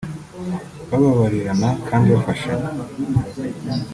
bababarirana kandi bafashanya